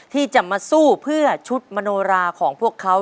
ที่จะมาสู้เพื่อชุดมโนราของพวกเขา